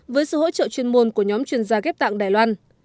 với sự hỗ trợ chuyên môn của nhóm chuyên gia ghép tạng đài loan